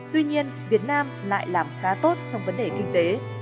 tuy nhiên việt nam lại làm khá tốt trong vấn đề kinh tế